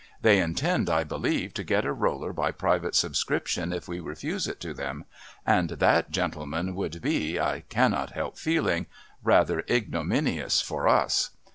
They intend, I believe, to get a roller by private subscription if we refuse it to them, and that, gentlemen, would be, I cannot help feeling, rather ignominious for us.